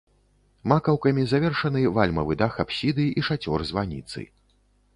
Макаўкамі завершаны вальмавы дах апсіды і шацёр званіцы.